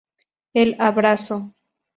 El abrazo.